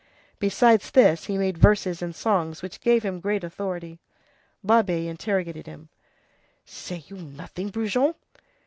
Besides this he made verses and songs, which gave him great authority. Babet interrogated him:— "You say nothing, Brujon?"